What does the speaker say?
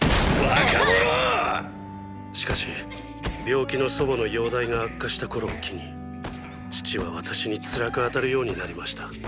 しかし病気の祖母の容体が悪化した頃を機に父は私に辛く当たるようになりました。